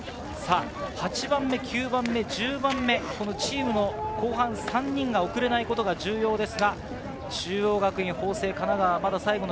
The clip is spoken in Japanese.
８番目、９番目、１０番目、チームの後半が遅れないことが重要です。